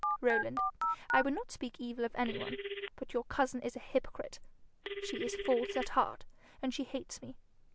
Rowland, I would not speak evil of any one, but your cousin is a hypocrite. She is false at heart, and she hates me.